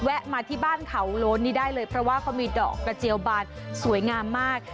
มาที่บ้านเขาโล้นนี่ได้เลยเพราะว่าเขามีดอกกระเจียวบานสวยงามมาก